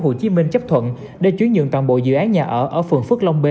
hồ chí minh chấp thuận để chuyển nhượng toàn bộ dự án nhà ở phường phước long b